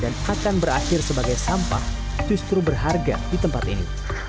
akan berakhir sebagai sampah justru berharga di tempat ini